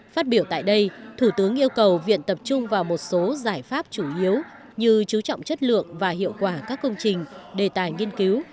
phát biểu tại đây thủ tướng yêu cầu viện tập trung vào một số giải pháp chủ yếu như chú trọng chất lượng và hiệu quả các công trình đề tài nghiên cứu